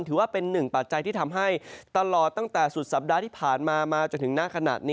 ถือว่าเป็นหนึ่งปัจจัยที่ทำให้ตลอดตั้งแต่สุดสัปดาห์ที่ผ่านมามาจนถึงหน้าขนาดนี้